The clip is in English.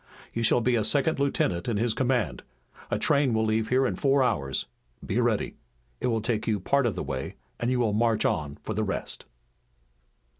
You shall be a second lieutenant in his command. A train will leave here in four hours. Be ready. It will take you part of the way and you will march on for the rest."